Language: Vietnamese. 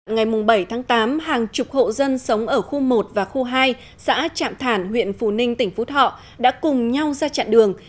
ngày bảy tháng tám hàng chục hộ dân sống ở khu một và khu hai xã trạm thản huyện phù ninh tỉnh phú thọ đã cùng nhau ra chặn đường